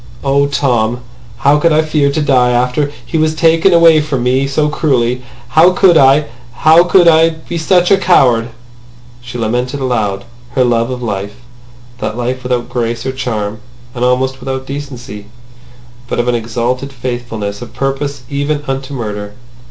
"Oh, Tom! How could I fear to die after he was taken away from me so cruelly! How could I! How could I be such a coward!" She lamented aloud her love of life, that life without grace or charm, and almost without decency, but of an exalted faithfulness of purpose, even unto murder.